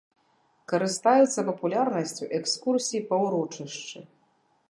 Карыстаюцца папулярнасцю экскурсіі па ўрочышчы.